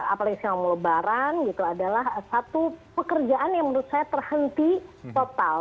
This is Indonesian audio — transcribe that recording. apalagi selama lebaran gitu adalah satu pekerjaan yang menurut saya terhenti total